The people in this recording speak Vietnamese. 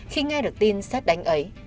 khi nghe được tin sát đánh ấy